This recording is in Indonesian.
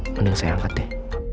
mending saya angkat deh